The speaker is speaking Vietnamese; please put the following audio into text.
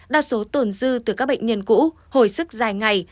đa số tồn dư từ các bệnh nhân cũ hồi sức dài ngày